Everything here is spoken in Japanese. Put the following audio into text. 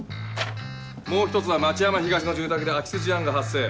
もう１つは町山東の住宅で空き巣事案が発生。